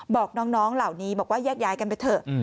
บอกน้องเหล่านี้บอกว่าแยกย้ายกันไปเถอะ